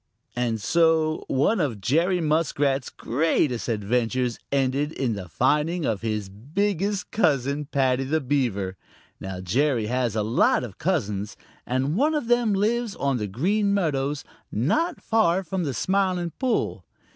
And so one of Jerry Muskrat's greatest adventures ended in the finding of his biggest cousin, Paddy the Beaver. Now Jerry has a lot of cousins, and one of them lives on the Green Meadows not far from the Smiling Pool.